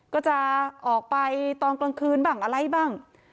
ก็จะออกไปตอนกลางคืนบ้างอะไรบ้าง